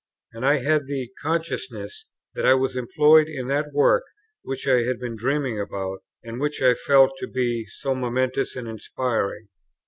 And I had the consciousness that I was employed in that work which I had been dreaming about, and which I felt to be so momentous and inspiring.